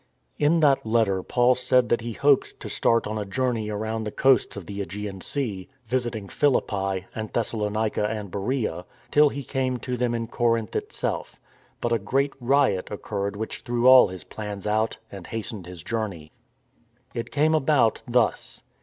In that letter Paul said that he hoped to start on a journey around the coasts of the ^gean Sea, visiting Philippi, and Thessalonica and Beroea, till he came to them in Corinth itself; but a great riot occurred which threw all his plans out and hastened his journey. It came about thus.